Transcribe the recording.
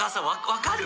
分かる？